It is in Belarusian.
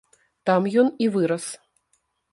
Там ён і вырас.